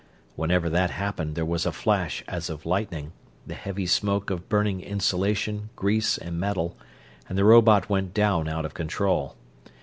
Whenever that happened there was a flash as of lightning, the heavy smoke of burning insulation, grease and metal, and the robot went down out of control.